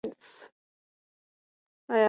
因位于旧鼓楼大街北侧而得名。